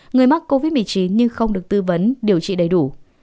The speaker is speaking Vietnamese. người mắc covid một mươi chín nhưng không được tư vấn điều trị đầy đủ